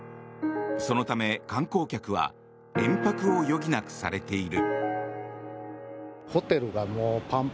そのため観光客は延泊を余儀なくされている。